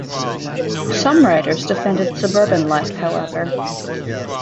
Some writers defended suburban life, however.